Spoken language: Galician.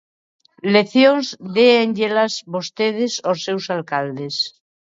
Leccións déanllelas vostedes aos seus alcaldes.